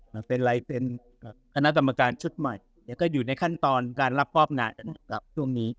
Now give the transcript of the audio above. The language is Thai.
มันเป็นละตัำการชุดใหม่ก็อยู่ในขั้นตอนการรับฮอบนานกับช่วงนี้